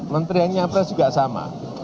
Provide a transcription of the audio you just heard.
menteri yang nyapres juga sama